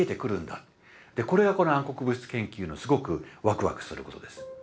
これがこの暗黒物質研究のすごくワクワクすることです。